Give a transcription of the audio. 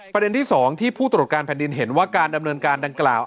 ประเด็นที่๒ที่ผู้ตรวจการแผ่นดินเห็นว่าการดำเนินการดังกล่าว